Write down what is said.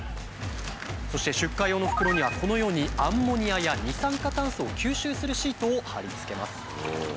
そして出荷用の袋にはこのようにアンモニアや二酸化炭素を吸収するシートを貼り付けます。